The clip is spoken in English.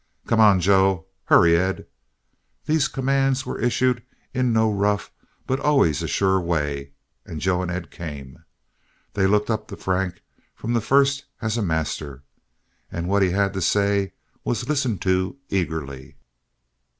"Come on, Joe!" "Hurry, Ed!" These commands were issued in no rough but always a sure way, and Joe and Ed came. They looked up to Frank from the first as a master, and what he had to say was listened to eagerly.